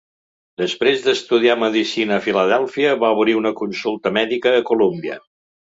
Després d'estudiar medicina a Filadèlfia, va obrir una consulta mèdica a Columbia.